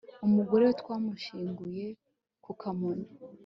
umugore we twamushyinguye ku kamonyi